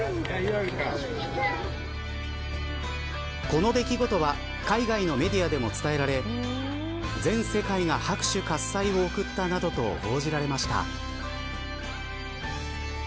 この出来事は海外のメディアでも伝えられ全世界が拍手喝采を送ったなどと報じられました。